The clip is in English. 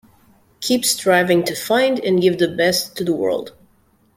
Keep striving to find and give the best to the world.